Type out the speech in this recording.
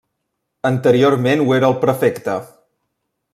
Anteriorment ho era el prefecte.